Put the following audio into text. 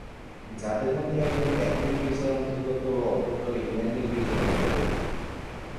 যাদের মধ্যে একদল ক্যাথোলিক গির্জার অন্তর্গত ও অপর দল ইংল্যান্ডের গির্জার অন্তর্গত।